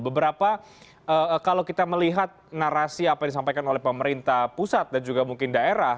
beberapa kalau kita melihat narasi apa yang disampaikan oleh pemerintah pusat dan juga mungkin daerah